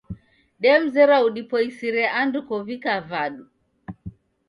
Dedemzera udipoisire ando kow'ika vadu